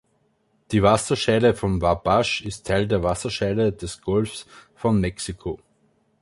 Die Wasserscheide von Wabash ist Teil der Wasserscheide des Golfs von Mexiko.